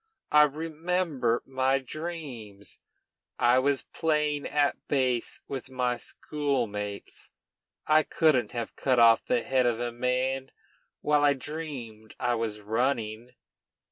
I remember my dreams. I was playing at base with my schoolmates. I couldn't have cut off the head of a man while I dreamed I was running."